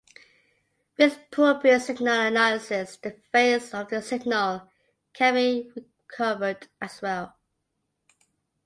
With appropriate signal analysis the phase of the signal can be recovered as well.